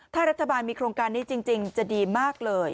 ถ้ารัฐบาลมีโครงการนี้จริงจะดีมากเลย